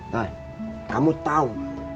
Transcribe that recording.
nah kamu tahu